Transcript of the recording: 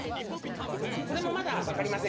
これもまだ分かりません。